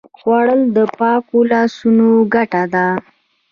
خوړل د پاکو لاسونو ګټه ده